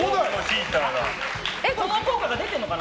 その効果が出てるのかな？